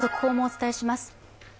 そして速報もお伝えします。